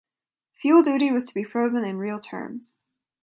Fuel duty was to be frozen in real terms.